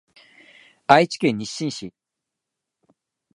愛知県日進市